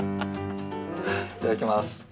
いただきます。